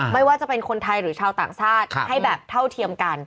ไม่ว่าจะเป็นคนไทยหรือชาวต่างชาติให้แบบเท่าเทียมกัน